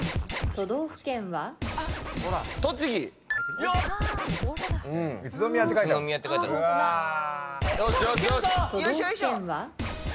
都道府県は？